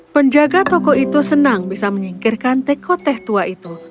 penjaga toko itu senang bisa menyingkirkan teko teh tua itu